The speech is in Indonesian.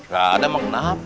gak ada mau kena hp